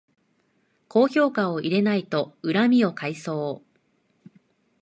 高評価を入れないと恨みを買いそう